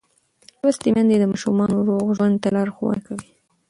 لوستې میندې د ماشومانو روغ ژوند ته لارښوونه کوي.